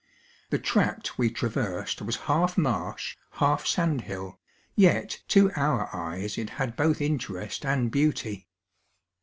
The tract we traversetl was half marsh, half sandhill, yet to our eyes it liad both interest aud beauty.